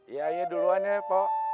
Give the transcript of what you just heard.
iya iya duluan ya pak